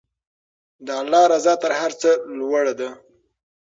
د الله رضا تر هر څه لوړه ده.